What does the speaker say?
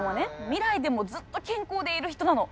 未来でもずっと健康でいる人なの。